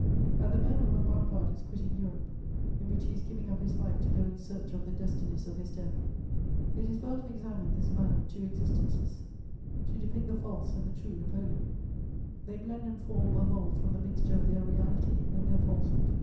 * At the moment when Bonaparte is quitting Europe, in which he is giving up his life to go in search of the destinies of his death, it is well to examine this man of two existences, to depict the false and the true Napoleon: they blend and form a whole from the mixture of their reality and their falsehood.